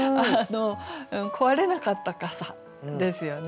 壊れなかった傘ですよね。